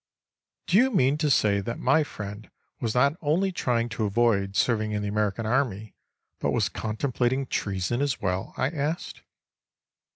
"Do you mean to say that my friend was not only trying to avoid serving in the American Army but was contemplating treason as well?" I asked.